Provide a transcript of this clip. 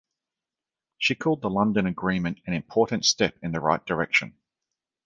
She called the London Agreement "an important step in the right direction".